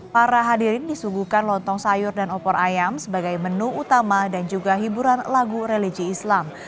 para hadirin disuguhkan lontong sayur dan opor ayam sebagai menu utama dan juga hiburan lagu religi islam